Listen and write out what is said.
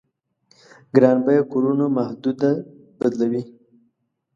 ګران بيه کورونو محدوده بدلوي.